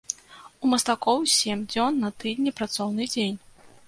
У мастакоў сем дзён на тыдні працоўны дзень.